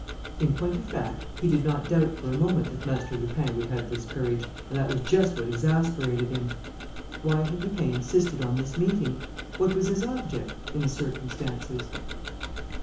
In point of fact, he did not doubt for a moment that Master Lupin would have this courage, and that was just what exasperated him. Why had Lupin insisted on this meeting? What was his object, in the circumstances?